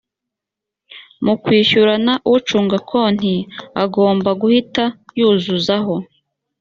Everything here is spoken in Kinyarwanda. mu kwishyurana ucunga konti agomba guhita yuzuzaho